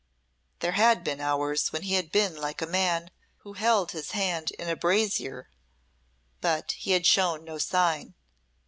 There had been hours when he had been like a man who held his hand in a brazier, but he had shown no sign.